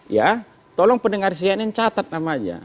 ya tolong pendengar cnn catat namanya